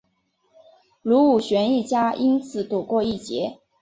卢武铉一家因此躲过一劫。